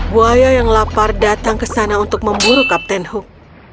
buaya yang lapar datang ke sana untuk memburu kapten hook